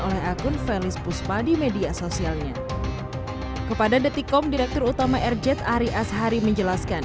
oleh akun felis puspa di media sosialnya kepada detikom direktur utama rj ari ashari menjelaskan